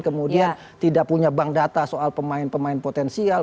kemudian tidak punya bank data soal pemain pemain potensial